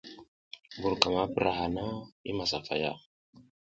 Mbur ka ma pura hana, i masafaya.